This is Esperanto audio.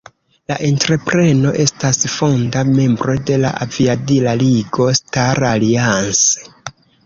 La entrepreno estas fonda membro de la aviadila ligo "Star Alliance".